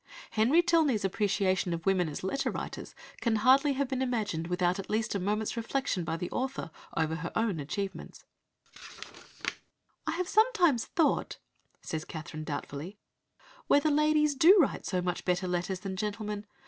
Henry Tilney's appreciation of women as letter writers can hardly have been imagined without at least a moment's reflection by the author over her own achievements "'I have sometimes thought,' says Catherine, doubtfully, 'whether ladies do write so much better letters than gentlemen.